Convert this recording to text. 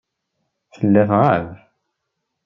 Tella tɣab.